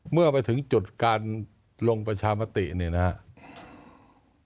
เมื่อไปถึงจุดการลงประชามติเนี่ยนะครับ